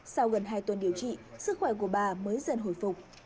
sau gần hai tuần điều trị sức khỏe của bà mới dần hồi phục